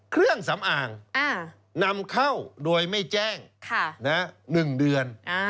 เครื่องสำอางนำเข้าโดยไม่แจ้ง๑เดือน